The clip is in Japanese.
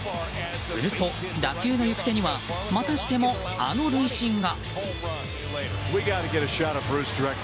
すると、打球の行く手にはまたしてもあの塁審が。